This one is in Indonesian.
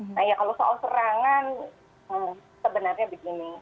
nah ya kalau soal serangan sebenarnya begini